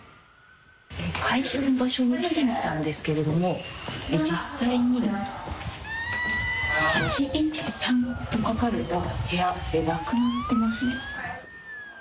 会社の場所に来てみたんですけれども、実際に、８１３と書かれた部屋、なくなってますね。